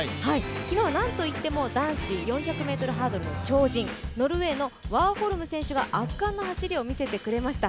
昨日は何と言っても男子４００ｍハードルの超人ノルウェーのワーホルム選手が圧巻の走りを見せてくれました。